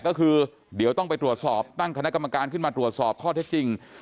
ก็คือเดี๋ยวต้องไปตรวจสอบตั้งคณะกรรมการขึ้นมาตรวจสอบข้อเท็จจริง